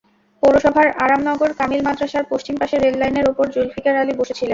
পৌরসভার আরামনগর কামিল মাদ্রাসার পশ্চিম পাশে রেললাইনের ওপর জুলফিকার আলী বসে ছিলেন।